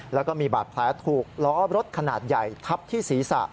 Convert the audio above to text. แล้วก็มีบาดแผลถูกล้อรถขนาดใหญ่ทับที่ศีรษะ